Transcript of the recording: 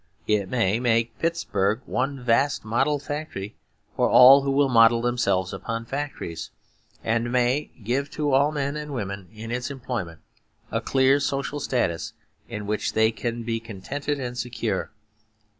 It may make Pittsburg one vast model factory for all who will model themselves upon factories; and may give to all men and women in its employment a clear social status in which they can be contented and secure.